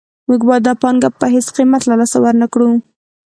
موږ باید دا پانګه په هېڅ قیمت له لاسه ورنکړو